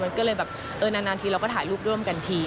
มันก็เลยแบบเออนานทีเราก็ถ่ายรูปร่วมกันที